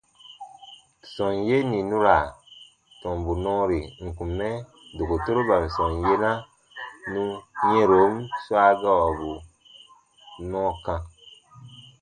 Sɔm yee nì nu ra tɔmbu nɔɔri ǹ kun mɛ dokotoroban sɔm yena nù yɛ̃ron swa gawabu nɔɔ kã.